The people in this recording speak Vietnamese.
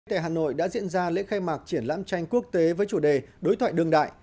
tại hà nội đã diễn ra lễ khai mạc triển lãm tranh quốc tế với chủ đề đối thoại đường đại